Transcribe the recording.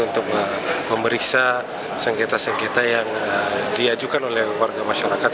untuk memeriksa sengketa sengketa yang diajukan oleh warga masyarakat